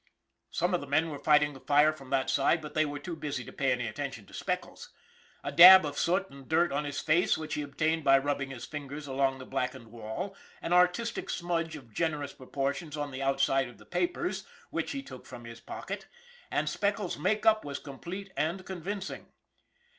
Some of the men were fighting the fire from that side, but they were too busy to pay any attention to Speckles. A dab of soot and dirt on his face which he obtained by rubbing his fingers along the blackened wall, an artistic smudge of generous proportions on the outside of the papers, which he took from his pocket, and Speckles' make up was complete and con vincing.